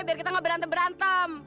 biar kita gak berantem berantem